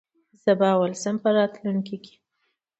زه به اول شم په راتلونکې کي